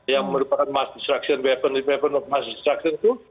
yang merupakan weapon of mass destruction itu